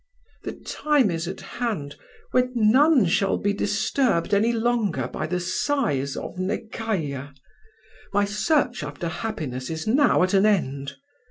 "The time is at hand when none shall be disturbed any longer by the sighs of Nekayah: my search after happiness is now at an end.